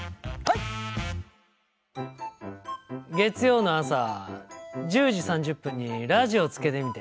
月曜の朝１０時３０分にラジオつけてみて。